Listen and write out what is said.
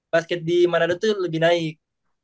basket di manado tuh lebih naik